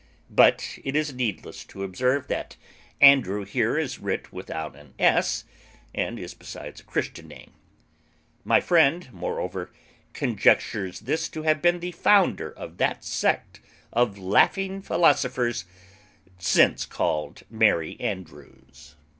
But it is needless to observe that Andrew here is writ without an s, and is, besides, a Christian name. My friend, moreover, conjectures this to have been the founder of that sect of laughing philosophers since called Merry andrews.